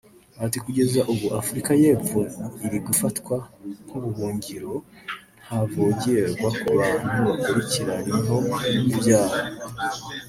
Ati “Kugeza ubu Afurika y’Epfo iri gufatwa nk’ubuhungiro ntavogerwa ku bantu bakurikiranyweho ibyaha